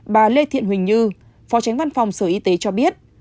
bà lê thiện huỳnh như phó tránh văn phòng sở y tế cho biết